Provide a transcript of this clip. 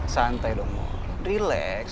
santai dong relax